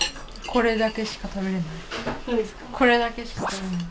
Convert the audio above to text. これだけしか食べれないです。